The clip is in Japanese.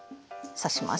刺します。